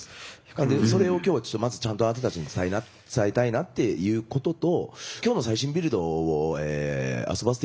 なのでそれを今日まずちゃんとあなたたちに伝えたいなっていうことと今日の最新ビルドを遊ばせて頂いてですね